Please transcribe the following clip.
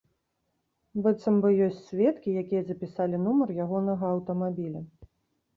Быццам бы ёсць сведкі, якія запісалі нумар ягонага аўтамабіля.